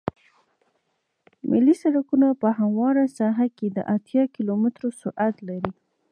ملي سرکونه په همواره ساحه کې د اتیا کیلومتره سرعت لري